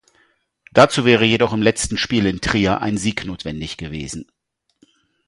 Dazu wäre jedoch im letzten Spiel in Trier ein Sieg notwendig gewesen.